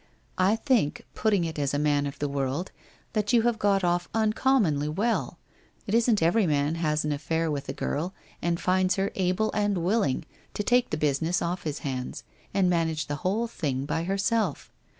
I think, putting it as a man of the world, that you have got off uncommonly well. It isn't every man has an affair with a girl and finds her able and willing to take the business off his hands and manage the whole thing by herself.